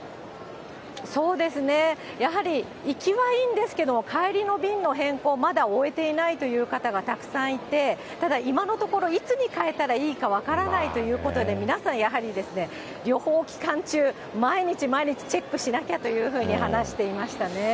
そうですね、やはり行きはいいんですけど、帰りの便の変更、まだ終えていないという方がたくさんいて、ただ、今のところ、いつに変えたらいいか分からないということで、皆さん、やはり旅行期間中、毎日毎日チェックしなきゃというふうに話していましたね。